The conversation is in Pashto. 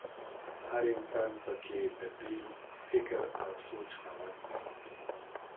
هر انسان په کې د بېل فکر او سوچ خاوند وي.